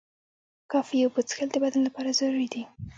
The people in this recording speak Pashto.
کافی اوبه څښل د بدن لپاره ضروري دي.